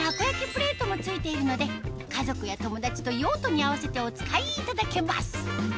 プレートも付いているので家族や友達と用途に合わせてお使いいただけます